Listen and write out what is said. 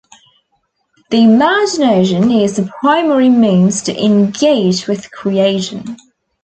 The Imagination is the primary means to engage with Creation.